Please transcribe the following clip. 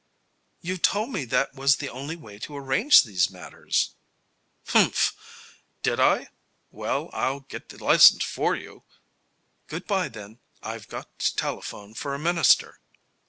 "You told me that was the only way to arrange these matters." "Humph! Did I? Well, I'll get the license for you " "Good by, then. I've got to telephone for a minister."